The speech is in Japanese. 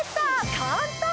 簡単！